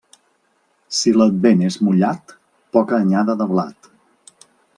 Si l'advent és mullat, poca anyada de blat.